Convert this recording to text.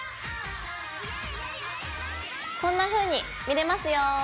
こんなふうに見れますよ。